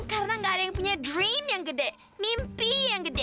karena gak ada yang punya dream yang gede mimpi yang gede